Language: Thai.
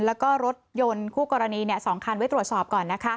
แล้วก็รถยนต์คู่กรณี๒คันไว้ตรวจสอบก่อน